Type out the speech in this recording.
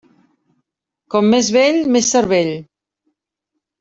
Com més vell, més cervell.